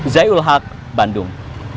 zai ul haq bandung